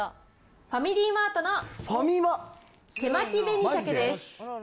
ファミリーマートの手巻紅しゃけです。